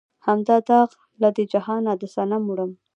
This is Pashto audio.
هم دا داغ لۀ دې جهانه د صنم وړم